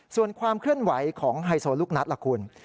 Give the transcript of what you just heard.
ส่วนความเคลื่อนไหวของไฮโซลูกนัดล่ะคุณ